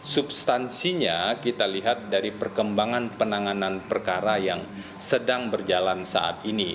substansinya kita lihat dari perkembangan penanganan perkara yang sedang berjalan saat ini